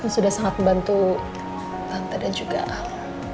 sudah sangat membantu anta dan juga al